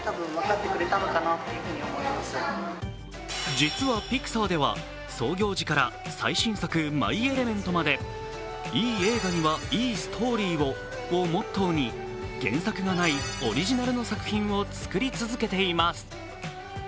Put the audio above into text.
実はピクサーでは、創業時から最新作「マイ・エレメント」までいい映画にはいいストーリーをモットーに原作がない、オリジナルの作品を作り続けています。